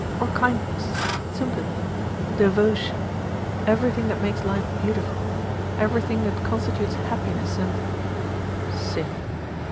Or kindness, sympathy, devotion, everything that makes life beautiful everything that constitutes happiness and " "Sin."